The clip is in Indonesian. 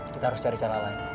kita harus cari cara lain